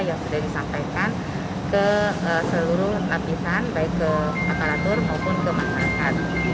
yang sudah disampaikan ke seluruh lapisan baik ke akaratur maupun ke manfaat